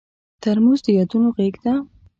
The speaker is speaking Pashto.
ترموز د یادونو غېږ ده.